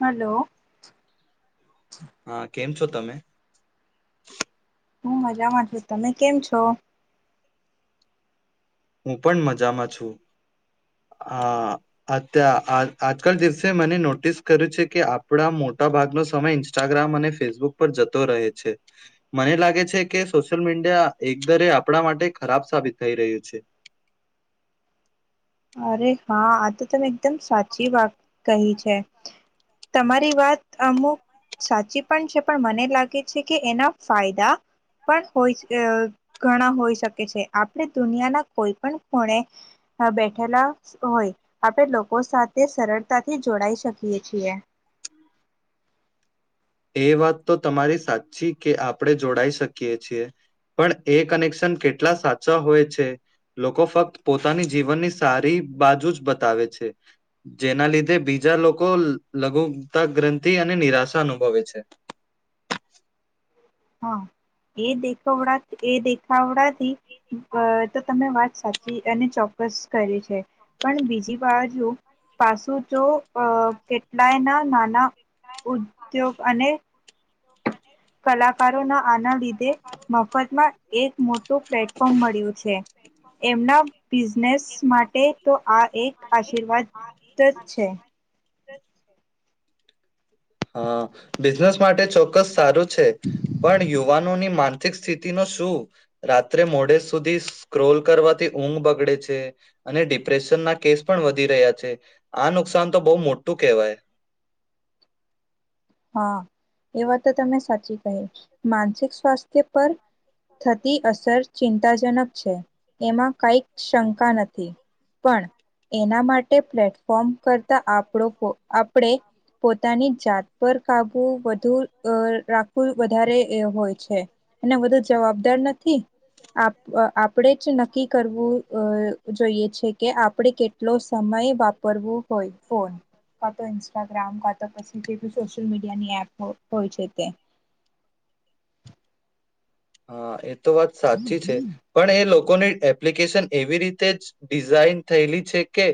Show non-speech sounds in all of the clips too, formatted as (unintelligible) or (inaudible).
Hello. હા કેમ છો તમે? હું મજામાં છું તમે કેમ છો? હું પણ મજામાં છું, આ અત આજકાલ દિવસે મને નોટિસ કર્યું છે કે આપણા મોટા ભાગનો સમય ઇન્સ્ટાગ્રામ અને ફેસબુક પર જતો રહે છે, મને લાગે છે કે સોશિયલ મીડિયા એકદરે આપણા માટે ખરાબ સાબિત થઈ રહ્યું છે. અરે હા આ તો તમે એકદમ સાચી વાત કહી છે, તમારી વાત અમુક સાચી પણ છે પણ મને લાગે છે કે એના ફાયદા, પણ હોય ઘણા હોઈ શકે છે આપણે દુનિયાના કોઈ પણ ખૂણે બેઠ- ઠલા હોય આપણે લોકો સાથે સરળ થી જોડા શકીએ છીએ. એ વાત તો તમારી સાચી કે આપણે જોડા શકીએ છીએ, પણ એ કનેક્શન કેટલા સાચા હોય છે લોકો ફક્ત પોતાની જીવનની સારી બાજુ જ બતાવે છે, જેના લીધે તે બીજા લોકો લ લઘુતા ગ્રંથિ અને નિરાશા અનુભવે છે. હા એ દેખવડા એ દેખાવડાથી અહ તો તમે વાત સાચી અને ચોક્કસ કરી છે, પણ બીજી બાજુ પાસું જો અ કેટલાયના નાના ઉદ્યોગ અને કલાકારોના આના લીધે મફતમાં એક મોટું પ્લેટફોર્મ મળ્યું છે. એમના બિઝનેસ માટે તો આ એક આશીર્વાદ જ છે. હા બિઝનેસ માટે ચોક્કસ સારું છે પણ યુવાન નોની માનસિક સ્થિતિ નું શું? રાત્રે મોડે સુધી સ્ક્રોલ કરવાથી ઊંઘ બગડે છે, અને ડિપ્રેશન ના કેસ પણ વધી રહ્યા છે. આ નુકસાન તો બહુ મોટું કહેવાય. હા. એ વાત તો તમે સાચી કહી. માનસિક સ્વાસ્થ્ય પર થતી અસર ચિંતાજનક છે, એમાં કાઈક શંકા નથી, પણ એના માટે પ્લેટફોર્મ કરતા આપણો પો આપણે પોતાની જાત પર કાબુ વધુ અહ રાખવું વધારે એ હોય છે, અને વધુ જવાબદાર નથી આપ આપણેે જ નક્કી કરવું જોઈએ છે કે આપણે કેટલો સમય વાપરવું હોય ફોન, કા તો ઇન્સ્ટાગ્રામ કા તો પછી સોશિયલ મીડિયાની એપ હોય છે તે. હા એ તો સાચી છે, પણ એ લો લોકોની એપ્લિકેશન એવી રીતે જ ડિઝાઇન થયેલી છે કે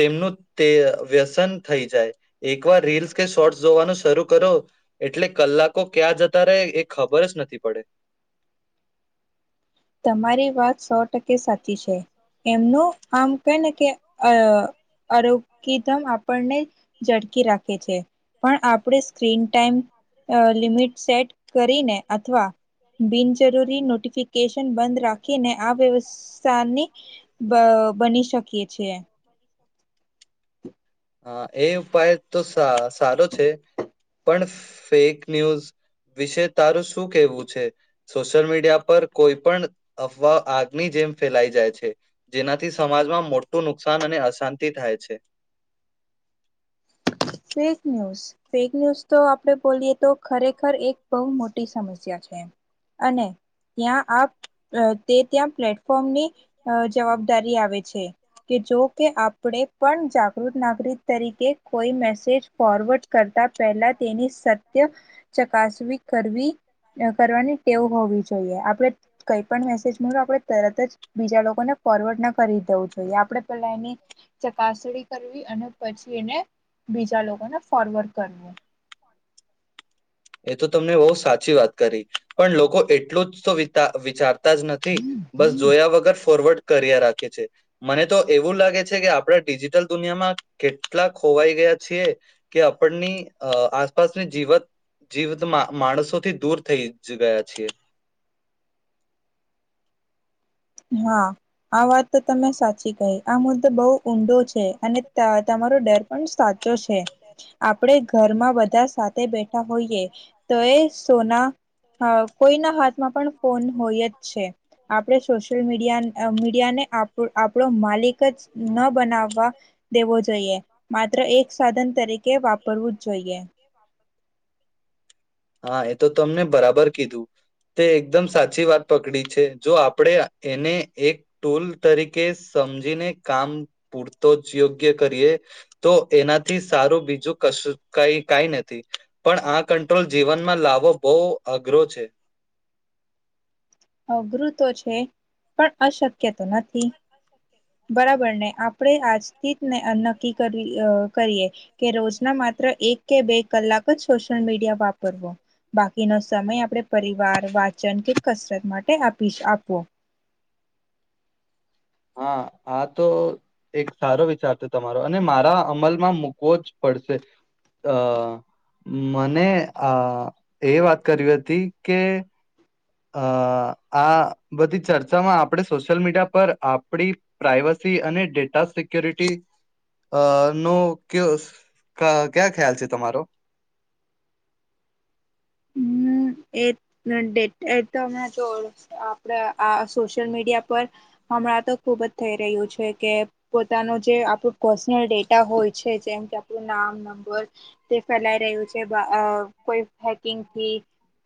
તેમનું તે વ્યસન થઈ જાય. એકવાર રીલ્સ કે શોર્ટ્સ જોવાનું શરૂ કરો એટલે કલાકો ક્યાં જતા રહે એ ખબર જ નથી પડે. તમારી વાત સો ટકે સાચી છે. એમનું આમ કેને કે અ અરોગીધમ આપણને, ઝળકી રાખે છે પણ આપણે સ્ક્રીન ટાઈમ લિમિટ સેટ કરીને અથવા, બિનજરૂરી નોટીફી ફિકેશન બંધ રાખીને આ વ્ય સાની, બ બની શકીએ છીએ. હા એ ઉપાય તો સાસ સારો છે. પણ ફેક ન્યૂઝ વિશે તારું શું કેહેવું છે? સોશિયલ મીડિયા પર કોઈ પણ અફવા આગની જેમ ફેલાઈ જાય છે. જેનાથી સમાજમાં મોટું નુકસાન અને અશાંતિ થાય છે. ફેક ન્યૂઝ ફેક ન્યૂઝ તો આપણે બોલીએ તો ખરેખર એક બહુ મોટી સમસ્યા છે, અને ત્યાં તે ત્યાં પ્લેટફોર્મની, જવાબદારી આવે છે કે જો કે આપણે પણ જાગૃત નાગરિક તરીકે કોઈ મેસે જ ફોરવર્ડ કરતા પહેલા તેની સત્ય, ચકાસણી કરવી કરવાની ટેવ હોવી જોઈએ આપણે કઈ પણ મેસેજ આપણે તરત જ બીજા લોકોને ફોરવર્ડ ના કરી દેવું જોઈએ આપણે પેલા એની, ચકાસણી કરવી અને પછી એને લોકોને ફોરવર્ડ કરવું. એ તો તમને બહુ સાચી વાત કરી, પણ લોકો એટલું જ તો વિતા વિચારતા જ નથી, બસ જોયા વગર ફોરવર્ડ કર્યા રાખે છે, મને તો એવું લાગે છે કે આપડા ડિજિટલ દુનિયામાં કેટલા ખોવાઈ ગયા છીએ, કે આપણની અ આસપાસની જીવત જીવત માણસોથી દૂર થઈ ગયા છીએ. હા, આ વાત તો તમે સાચી કહી આ મુદ્દો બહુ ઊંડો છે અને ત તમારો ડર પણ સાચો છે. આપડે ઘરમાં બધા સા ને બેઠા હોઈએ, તો એ સોના હ કોઈના હાથમાં પણ ફોન હોય જ છે, આપણે સોશિયલ મીડિયા મીડિયાને આપણો માલિક જ ન બનાવા, દેવો જોઈએ, માત્ર એક સાધન તરીકે વાપરવું જ જોઈએ. હા એ તો તમને બરાબર કીધું. તે એકદમ સાચી વાત પકડી છે, જો આપણે એને એક ટૂલ તરીકે સમજીને કામ પૂરતો જ યોગ્ય કરીએ, તો એનાથી સારું બીજું કશું કાઈ કાઈ નથી, પણ આ કંટ્રોલ જીવનમાં લાવો બહુ અઘરો છે. અઘરું તો છે, પણ અશક્ય તો નથી, બરાબર ને આપણે આજથી જ નક્કી કરીએ કરીએ કે રોજના માત્ર એકકે બે કલાક જ સોશિયલ મીડિયા વાપરવો, બાકીનો સમય આપણે પરિવાર, વાચન કે કસરત માટે આપીશ આપો. હા આ તો એક સારો વિચાર છે તમારો અને મારા અમલમાં મૂકવો જ પડશે, અઅ મને આઅઅ એ વાત કરવી હતી કે અઅ આ બધી ચર્ચામાં આપણે સોશિયલ મીડિયા પર આપણી પ્રાઇવસી અને ડેટા સિક્યુરિટી, અ અ નો ક્યો ક્ ક્યાં ખ્યાલ છે તમારો? હમ એ (unintelligible) હમણાં જો આપણા આ સોશિયલ મીડિયા પર, હમણાં તો ખુબ જ થઈ રહ્યું છે, કે પોતાનું જે આપણું પર્સનલ ડેટા હોય છે જેમ કે આપણું નામ, નંબર, તે ફેલાય રહ્યું છે, અઅ કોઈ હેકિંગથી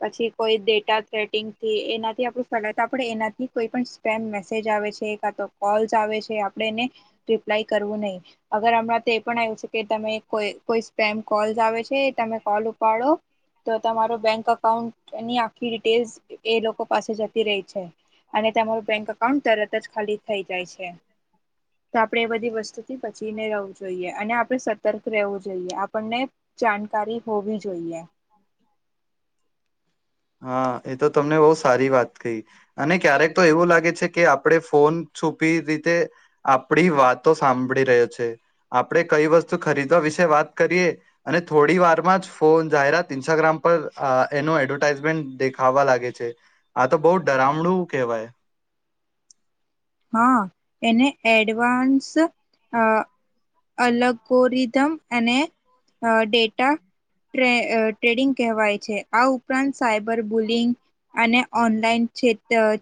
પછી કોઈ ડેટા થ્રેટિંગથી એનાથી આપણું ફેલાય તો આપણે એનાથી કોઈ પણ સ્ટેમ મેસેજ આવે છે કા તો કોલ્સ આવે છે આપડે એને, રિપ્લાય કરવું નહી, અગર હમણાં તો એ પણ આવ્યૂ છે કે તમે કોઈ કોઈ સ્પેમ કોલ્સ આવે છે તમે કોલ ઉપાડો, તો તમારો બેંક અકાઉન્ટ આખી ડિટેલ્ એ લોકો પાસે જતી રેય છે, અને તમાર બેંક અકાઉન્ટ તરત જ ખાલી થઈ જાય છે, તો આપડે એ બધી વસ્તુથી બચીને રહેવું જોઈએ અને આપ સતર્ક રહેવું જોઈએ આપણને જાણકારી હોવી જોઈએ. હા એ તો તમને બહુ સારી વાત કહી, અને ક્યારેક તો એવું લાગે છે કે આપણે ફોન છુપી રીતે આપડી વાતો સાંભળી રહ્યો છે, આપણે કઈ વસ્તુ ખરીદવા વિશે વાત કરીએ, અને થોડી વારમાં જ ફોન જાહેરાત ઇન્સ્ટાગ્રામ પર અ એનું એડવર્ટાઈઝમેન્ટ દેખાવા લાગે છે, આ તો બહુ ડરામણું કહેવાય હા, એને એડવાન્સ અ અલગોરિધમ અને, ડેટા અ ટ્રેડિંગ કહેવાય છે, આ ઉપરાંત સાયબર બુલિંગ, અને ઓનલાઈન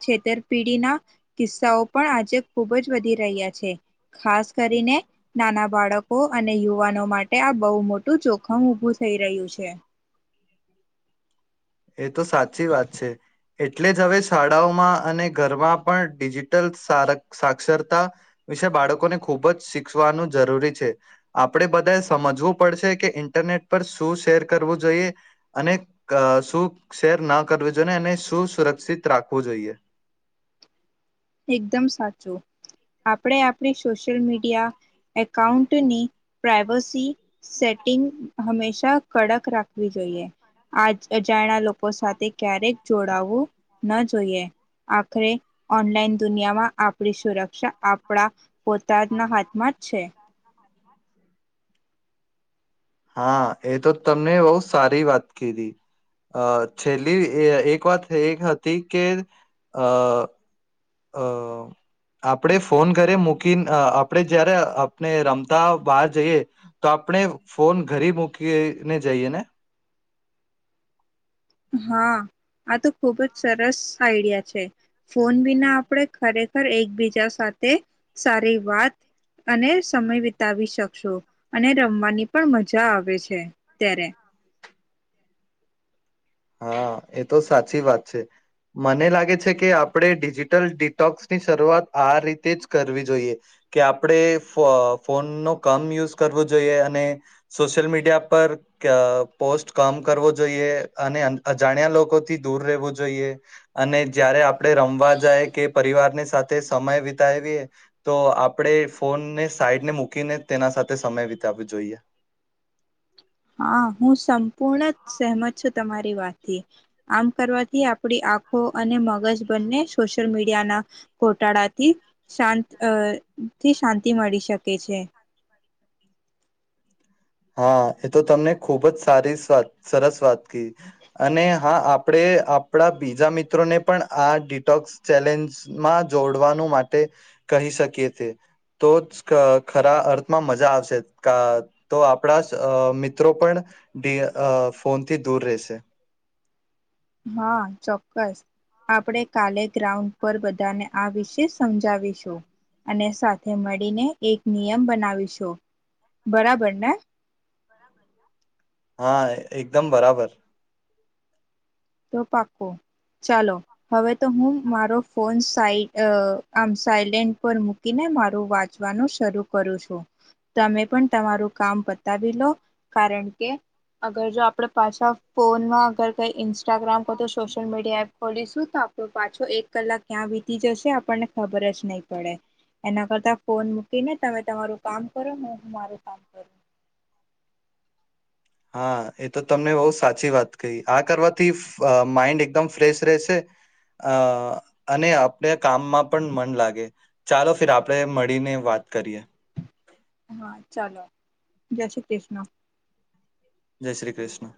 છેતરપીડીના કિસ્સાઓ પણ આજે ખુબ જ વધી રહ્યા છે, ખાસ કરીને નાના બાળકો અને યુવાનો માટે આ બહુ મોટું જોખમ ઉભું થઈ રહ્યું છે. એ તો સાચી વાત છે, એટલે જ હવે શાળાઓમાં અને ઘરમાં પણ ડિજિટલ સાર સાક્ષરતા, વિશે બાળકોને ખૂબ જ શીખવાનું જરૂરી છે, આપણે બધા સમજવું પડશે કે ઇન્ટરનેટ પર શું શેર કરવું જોઈએ, અ અને શું શેર ન કરવુ જોઈએ ને એને સુું સુરક્ષિત રાખવું જોઈએ. એકદમ સાચું, આપણે આપણી સોશિયલ મીડિયા, એકાઉન્ટની પ્રાઇવસી, સેટિંગ હંમેશા કડક રાખવી જોઈએ, આ અજાણા લોકો લોકો સાથે ક્યારેક જોડાવું ન જોઈએ, આખરે ઓનલાઈન દુનિયામાં આપણી સુરક્ષા આપણા પોતાના હાથમાં જ છે. હા એ તો તમને બહુ સારી વાત કીધી, અ છેલ્લી એક વાત એ હતી કે અ અ આપણે ફોન ઘરે મૂકી અઆપણે જયારે આપણે રમતા બહાર જઈએ, તો આપણે ફોન ઘરે મૂકીને જઈએ ને હા, આ તો ખુબ જ સરસ આઈડિયા છે, ફોન વિના આપણે ખરેખર એકબીજા સાથે, સારી વાત અને સમય વિતાવી શકશું, અને રમવાની પણ મજા આવે છે ત્યારે. હા એ તો સાચી વાત છે, મને લાગે છે કે આપણે ડિજિટલ ડીટોક્સ ની શરૂઆત આ રીતે જ કરવી જોઈએ, કે આપણેઅઅ ફોનનો કમ યુઝ કરવો જોઈએ અને, સોશિયલ મીડિયા પર પોસ્ટ કમ કરવો જોઈએ. અને અજાણ્યા લોકોથી દૂર રહેવું જોઈએ, અને જય્યારે આપણે રમવા જાય કે પરિવારની સાથે સમય વિતાવીએ, તો આપણે ફોનને સાઈડે મૂકીને તેના સાથે સમય વિતાવવો જોઈએ. હા હું સંપૂર્ણ સેહમત છું તમારી વાતથી, આમ કરવાથી આપડી આંખો અને મગજ બંને સોશિયલ મીડિયાના, ઘોટાળાથી શાંતથીઅઅ શાંતિ અઅઅ મળી શકે છે. હા એ તો તમને ખૂબ જ સારી વાત સરસ વાત, અને હા આપણે આપણા બીજા મિત્રોને પણ આ ડિટોક્સ ચેલેન્જમાં જોડવાનું માટે, કહી શકીએ છે, તો જ ખરા અર્થમાં મજા આવશે. તો આપણા મિત્રો પણ, ફોનથી દૂર રહેશે. હા ચોક્કસ, આપડે કાલે ગ્રાઉન્ડ પર બધાને આ વિશે સમજાવીશું, અને સાથે મળીને એક નિયમ બનાવીશું, બરાબર ને. હા એએકદમ બરાબર. તો પાકુ, ચાલો હવે તો હું મારો ફોન સાઈ આમ સાયલેન્ટ પર મૂકીને મારું વાંચવાનું શરૂ કરું છું, તમે પણ તમારું કામ બતાવી લો, કારણ કે અગર જો આપણે પાછા ફોનમાં અગર કઈ ઇન્સ્ટાગ્રામ તો સોશયલ મીડિયા એપ ખોલીશું તો આપડો પાછો એક કલાક ક્યાં વીતી જશે આપણને ખબર જ નહી પડે, એના કરતા ફોન મૂકીને તમે તમારું કામ કરો હું હું મારું કામ કરું. હા એ તો તમને બહુ સાચી વાત કહી આ કરવાથી માઈન્ડ એકદમ ફ્રેશ રહેશે, અ અને આપણે કામમાં પણ મન લાગે, ચાલો ફીર આપણે મળીને વાત કરીએ. હા ચાલો, જશ કૃષ્ણ. જય શ્રી કૃષ્ણ.